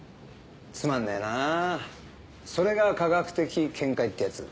つまんねえなそれが科学的見解ってやつ？